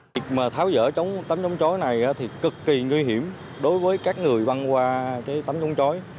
việc tháo gỡ tấm chống chói này cực kỳ nguy hiểm đối với các người văng qua tấm chống chói